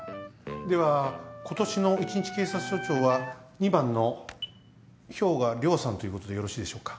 では今年の１日警察署長は２番の氷河涼さんということでよろしいでしょうか？